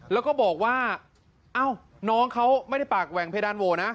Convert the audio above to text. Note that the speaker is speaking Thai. แล้วก็บอกว่าน้องเขาไม่ฟักแหวงเพดานโโวร์นะ